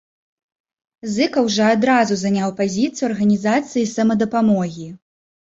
Зыкаў жа адразу заняў пазіцыю арганізацыі самадапамогі.